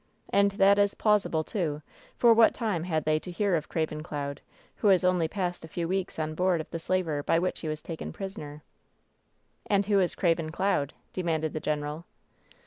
And that is plausible, too, for what time had they to hear of Craven Cloud, who has only passed a few weeks on board of the slaver by which he was taken prisoner ?" "And who is Craven Cloud ?" demanded the general.